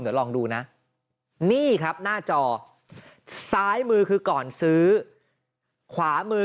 เดี๋ยวลองดูนะนี่ครับหน้าจอซ้ายมือคือก่อนซื้อขวามือ